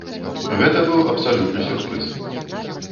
Гэта быў абсалютны сюрпрыз.